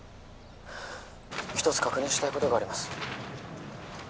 ☎一つ確認したいことがあります